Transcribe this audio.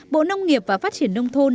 bộ nông nghiệp và phát triển nông thôn